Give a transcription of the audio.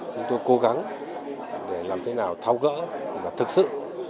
chúng tôi cố gắng để làm thế nào thao gỡ và thực sự